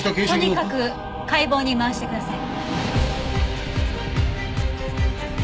とにかく解剖に回してください。